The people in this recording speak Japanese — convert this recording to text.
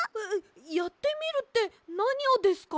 やってみるってなにをですか？